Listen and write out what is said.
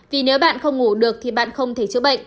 vì nếu bạn không ngủ được thì bạn không thể chữa bệnh